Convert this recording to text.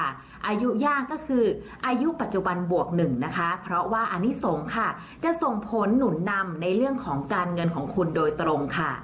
อายุย่างก็คืออายุปัจจุบันบวกหนึ่งนะคะเพราะว่าอนิสงฆ์ค่ะจะส่งผลหนุนนำในเรื่องของการเงินของคุณโดยตรงค่ะ